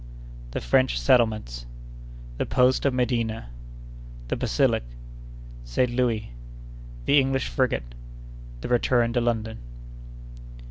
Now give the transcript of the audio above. —The French Settlements.—The Post of Medina.—The Basilic.—Saint Louis.—The English Frigate.—The Return to London.